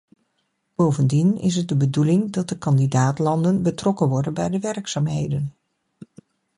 Bovendien is het de bedoeling dat de kandidaat-landen betrokken worden bij de werkzaamheden.